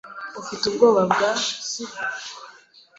Ufite ubwoba bwa , sibyo?